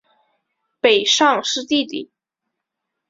北尚是弟弟。